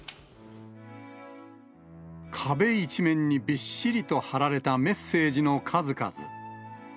壁一面にびっしりと貼られたメッセージの数々。